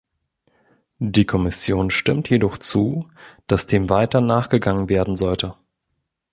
Die Kommission stimmt jedoch zu, dass dem weiter nachgegangen werden sollte.